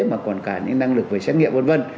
mà còn cả những năng lực về xét nghiệm vân vân